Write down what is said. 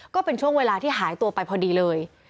ก็เป็นช่วงเวลาที่หายตัวไปพอดีเลย